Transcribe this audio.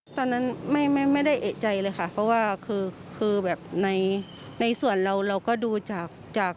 ตอนนั้นไม่ไม่ได้เอกใจเลยค่ะเพราะว่าคือแบบในส่วนเราเราก็ดูจากจาก